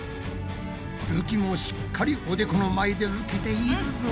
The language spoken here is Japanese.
るきもしっかりおでこの前で受けているぞ！